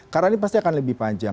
karena ini pasti akan lebih panjang